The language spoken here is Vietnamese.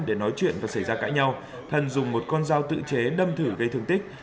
để nói chuyện và xảy ra cãi nhau thân dùng một con dao tự chế đâm thử gây thương tích